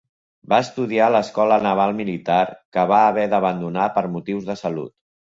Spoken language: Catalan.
Va estudiar a l'Escola Naval Militar, que va haver d'abandonar per motius de salut.